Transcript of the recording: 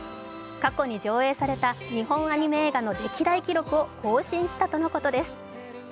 過去に上映された日本アニメ映画の歴代記録を更新したということです。